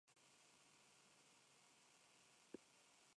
Fue dedicado a las salas de exposición, el Pabellón de Exposiciones.